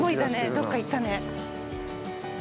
どっか行ったね。